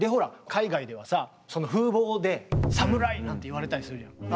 海外ではさその風貌でサムライなんて言われたりするじゃない。